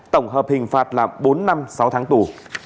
tổng hợp hình phạt là bốn năm sáu tháng tù